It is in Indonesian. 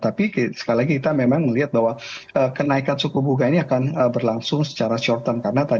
tapi sekali lagi kita memang melihat bahwa kenaikan suku bunga ini akan berlangsung secara short term karena tadi